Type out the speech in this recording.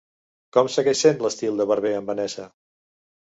Com segueix sent l'estil de Barber en Vanessa?